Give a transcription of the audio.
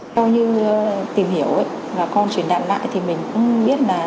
do như tìm hiểu và con chuyển đoạn lại thì mình cũng biết là